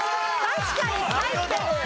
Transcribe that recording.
確かに。